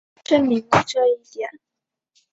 证明了这一点。